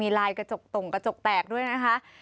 ลายกระจกตงกระจกแตกด้วยนะคะ